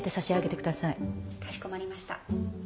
かしこまりました。